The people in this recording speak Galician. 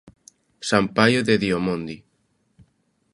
San Paio de Diomondi.